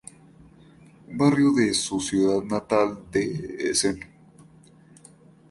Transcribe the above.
Un barrio de su ciudad natal de Essen.